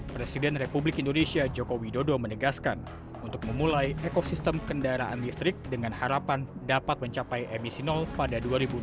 presiden republik indonesia joko widodo menegaskan untuk memulai ekosistem kendaraan listrik dengan harapan dapat mencapai emisi nol pada dua ribu dua puluh